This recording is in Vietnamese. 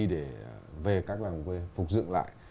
để về các làng quê phục dựng lại